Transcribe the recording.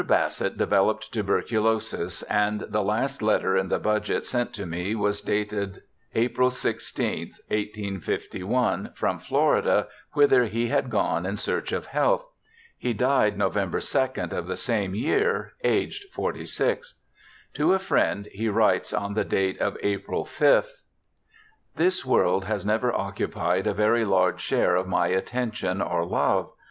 Bassett developed tuberculosis, and the last letter in the budget sent to me was dated April i6th, 1851, from Florida, whither he had gone in search of health. He died November 2nd of the same year, aged 46. To a friend he writes on the date of April 5th : 'This world has never occupied a very large share of my attention or love.